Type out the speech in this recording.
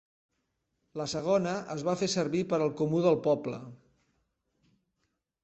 La segona es va fer servir per al comú del poble.